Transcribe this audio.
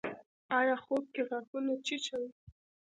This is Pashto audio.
ایا خوب کې غاښونه چیچئ؟